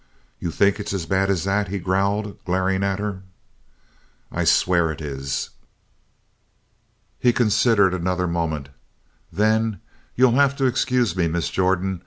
"You think it's as bad as that?" he growled, glaring at her. "I swear it is!" He considered another moment. Then: "You'll have to excuse me, Miss Jordan.